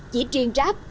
chỉ riêng ráp